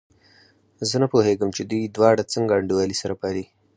زه نه پوهېږم چې دوی دواړه څنګه انډيوالي سره پالي.